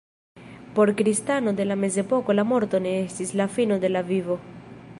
Por kristano de la mezepoko la morto ne estis la fino de la vivo.